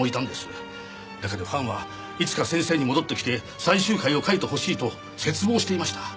だけどファンはいつか先生に戻ってきて最終回を描いてほしいと切望していました。